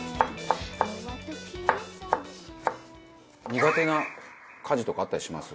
苦手な家事とかあったりします？